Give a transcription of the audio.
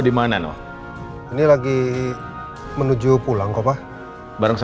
lo selalu readings